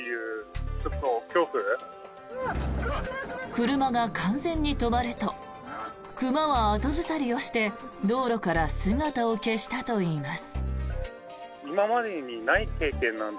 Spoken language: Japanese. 車が完全に止まると熊は後ずさりをして道路から姿を消したといいます。